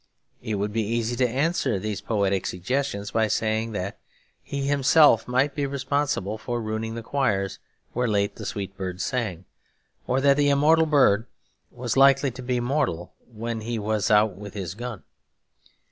It would be easy to answer these poetic suggestions by saying that he himself might be responsible for ruining the choirs where late the sweet birds sang, or that the immortal bird was likely to be mortal when he was out with his gun.